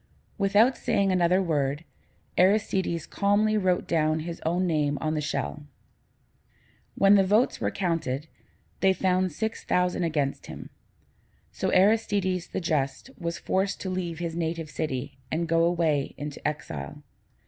Without saying another word, Aristides calmly wrote his own name on the shell. When the votes were counted, they found six thousand against him: so Aristides the Just was forced to leave his native city, and go away into exile.